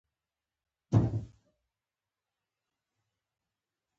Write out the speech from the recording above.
ډېر ورخطا وو ما ډېر غږ پې وکړه .